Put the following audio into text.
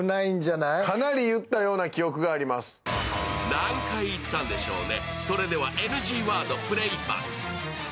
何回言ったんでしょうね。